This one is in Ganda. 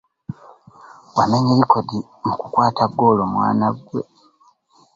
Wamenye likoda mu kukwata ggoolo mwana ggwe.